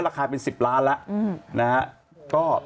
ราคาเป็น๑๐ล้านบาทแล้วนะครับ